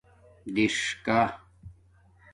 دِݽکہ